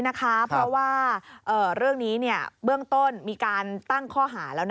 เพราะว่าเรื่องนี้เบื้องต้นมีการตั้งข้อหาแล้ว